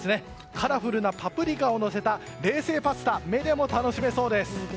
カラフルなパプリカをのせた冷製パスタ目でも楽しめそうです。